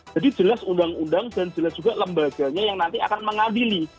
jadi jelas undang undang dan jelas juga lembaganya yang nanti akan mengadili